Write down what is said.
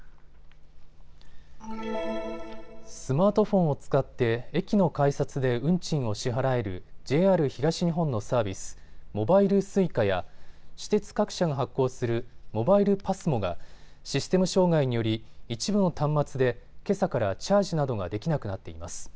スマートフォンを使って駅の改札で運賃を支払えるＪＲ東日本のサービス、モバイルＳｕｉｃａや私鉄各社が発行するモバイルＰＡＳＭＯがシステム障害により一部の端末でけさからチャージなどができなくなっています。